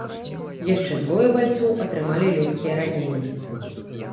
Яшчэ двое байцоў атрымалі лёгкія раненні.